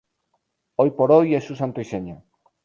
Hoy por hoy es su santo y seña.